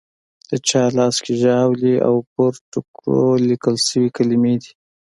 د چا لاس کې ژاولي او پر ټوکرو لیکل شوې کلیمې دي.